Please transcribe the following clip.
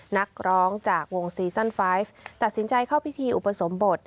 นักร้องจากวงซีซั่นไฟฟ์ตัดสินใจเข้าพิธีอุปสมบท